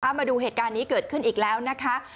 มาดูเหตุการณ์นี้เกิดขึ้นอีกแล้วนะคะ